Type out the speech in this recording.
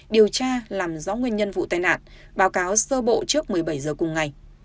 điều tra làm rõ nguyên nhân vụ tai nạn báo cáo sơ bộ trước một mươi bảy h cùng ngày